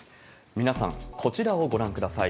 皆さん、こちらをご覧ください。